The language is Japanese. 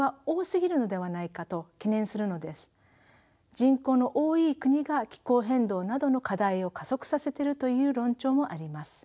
人口の多い国が気候変動などの課題を加速させているという論調もあります。